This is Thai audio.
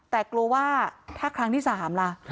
แต่กลัวว่าถ้าครั้งที่๓ล่ะ